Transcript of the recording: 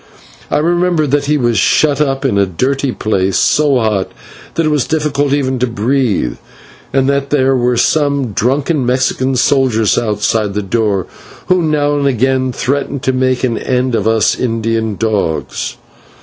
I remember that he was shut up in a dirty place, so hot that it was difficult even to breathe, and that there were some drunken Mexican soldiers outside the door, who now and again threatened to make an end of us Indian dogs.